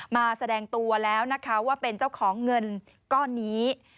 มาแสดงตัวแล้วนะคะว่าเป็นเจ้าของเงินก้อนนี้